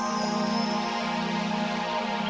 tidak ada apa apa